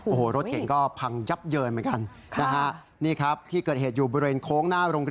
โอ้โหรถเก๋งก็พังยับเยินเหมือนกัน